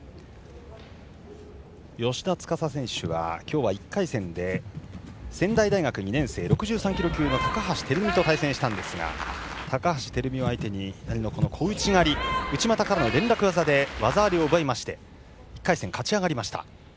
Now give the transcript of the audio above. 芳田司選手は今日は１回戦で仙台大学２年生６３キロ級の高橋瑛美と対戦したんですが高橋瑛美を相手に小内刈り内股からの連絡技で技ありを奪って１回戦、勝ち上がりました。